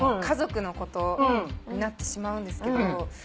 家族のことになってしまうんですけど。